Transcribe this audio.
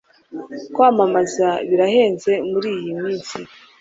Kwamamaza birahenze muri iyi minsi